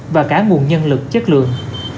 và cả nguồn nhân lực chất lượng